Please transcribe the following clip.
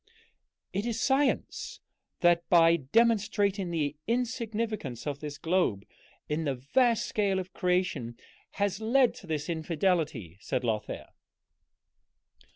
"It is science that, by demonstrating the insignificance of this globe in the vast scale of creation, has led to this infidelity," said Lothair.